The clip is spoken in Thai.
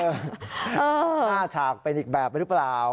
หน้าฉากเป็นอีกแบบหรือเปล่า